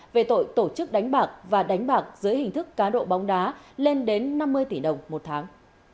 về tội tổ chức đánh bạc và đánh bạc dưới hình thức cá độ bóng đá lên đến năm mươi tỷ đồng một tháng